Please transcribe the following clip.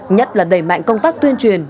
nhất là đẩy mạnh công tác tuyên truyền